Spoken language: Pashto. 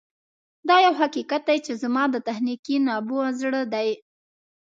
دا یو حقیقت دی چې زما د تخنیکي نبوغ زړه دی